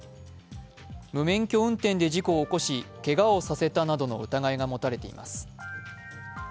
無免許運転で事故を起こし、けがをさせたなどの疑いが持たれています。